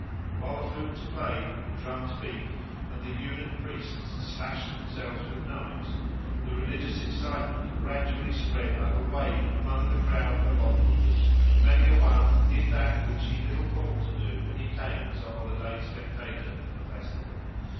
While the flutes played, the drums beat, and the eunuch priests slashed themselves with knives, the religious excitement gradually spread like a wave among the crowd of onlookers, and many a one did that which he little thought to do when he came as a holiday spectator to the festival.